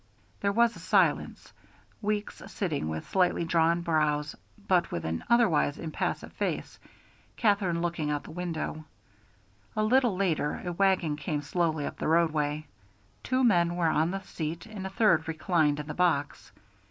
There was a silence, Weeks sitting with slightly drawn brows but with an otherwise impassive face, Katherine looking out the window. A little later a wagon came slowly up the roadway. Two men were on the seat and a third reclined in the box.